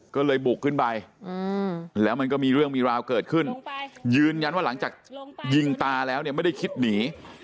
ก็เลยบุกขึ้นไปแล้วมันก็มีเรื่องมีราวเกิดขึ้นยืนยันว่าหลังจากยิงตาแล้วเนี่ยไม่ได้คิดหนี